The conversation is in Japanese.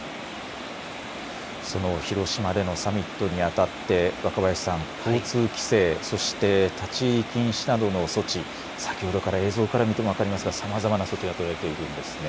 その広島でのサミットにあたって、若林さん、交通規制、そして立ち入り禁止などの措置、先ほどから映像から見ても分かりますが、さまざまな措置が取られているんですね。